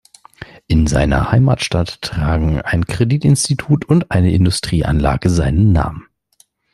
In seiner Heimatstadt tragen ein Kreditinstitut und eine Industrieanlage seinen Namen.